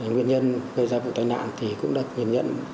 nguyên nhân gây ra vụ tai nạn